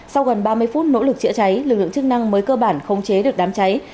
sau gần ba mươi phút nỗ lực chữa cháy lực lượng chức năng mới cơ bản khống chế được đám cháy